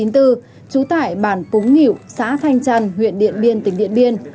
trú tại bản phúng nghỉu xã thanh trần huyện điện biên tỉnh điện biên